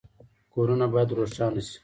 کورونه باید روښانه شي